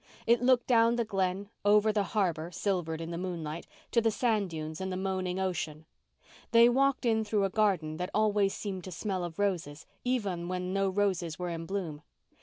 It looked down the Glen, over the harbour, silvered in the moonlight, to the sand dunes and the moaning ocean. They walked in through a garden that always seemed to smell of roses, even when no roses were in bloom.